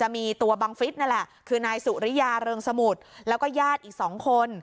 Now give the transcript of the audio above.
มีตัวบังฟิศนั่นแหละคือนายสุริยาเริงสมุทรแล้วก็ญาติอีก๒คน